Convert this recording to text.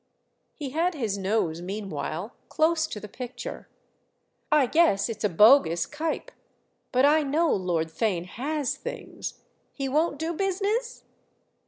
He had his nose meanwhile close to the picture. "I guess it's a bogus Cuyp—but I know Lord Theign has things. He won't do business?"